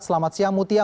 selamat siang mutia